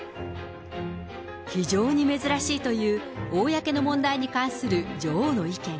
非常に珍しいという、公の問題に関する女王の意見。